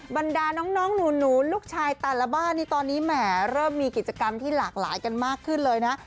บรรดาน้องหนูลูกชายแต่ละบ้านนี่ตอนนี้แหมเริ่มมีกิจกรรมที่หลากหลายกันมากขึ้นเลยนะ